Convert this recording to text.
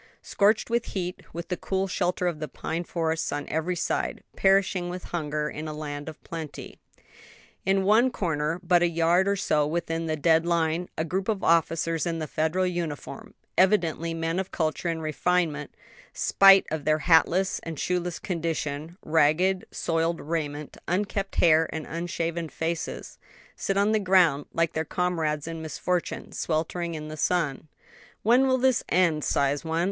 scorched with heat, with the cool shelter of the pine forests on every side; perishing with hunger in a land of plenty. In one corner, but a yard or so within the dead line, a group of officers in the Federal uniform evidently men of culture and refinement, spite of their hatless and shoeless condition, ragged, soiled raiment, unkempt hair, and unshaven faces sit on the ground, like their comrades in misfortune, sweltering in the sun. "When will this end?" sighs one.